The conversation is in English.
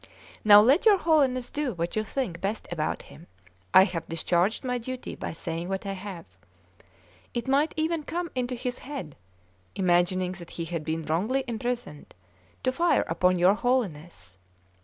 Now let your Holiness do what you think best about him; I have discharged my duty by saying what I have. It might even come into his head, imagining that he had been wrongly imprisoned, to fire upon your Holiness.